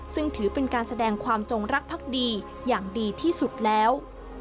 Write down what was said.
ซึ่งถือเป็นการแสดงความจงรักภักดีอย่างดีที่สุดแล้ว